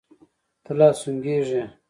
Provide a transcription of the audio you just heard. ته لا سونګه ږې.